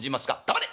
「黙れ！